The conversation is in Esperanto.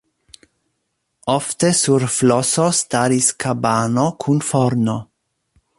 Ofte sur floso staris kabano kun forno.